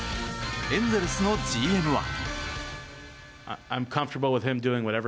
エンゼルスのＧＭは。